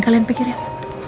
sorry nanti aku meraih